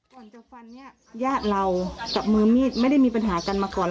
ก่อนจะฟันเนี่ยญาติเรากับมือมีดไม่ได้มีปัญหากันมาก่อน